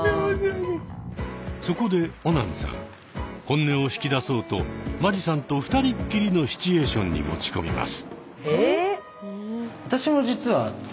そこでオナンさん本音を引き出そうと間地さんと二人っきりのシチュエーションに持ち込みます。